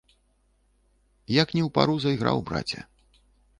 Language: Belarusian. Як не ў пару зайграў, браце.